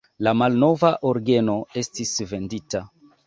La malnova orgeno estis vendita.